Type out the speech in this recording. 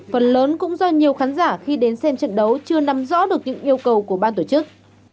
phần lớn cũng do nhiều khán giả khi đến xem trận đấu chưa nắm rõ được những yêu cầu của ban tổ chức